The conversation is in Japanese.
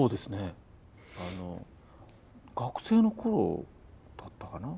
学生の頃だったかな。